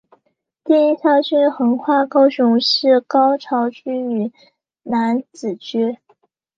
第一校区横跨高雄市燕巢区与楠梓区。